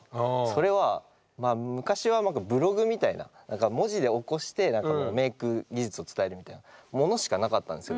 それは昔はブログみたいな何か文字で起こしてメイク技術を伝えるみたいなものしかなかったんですよ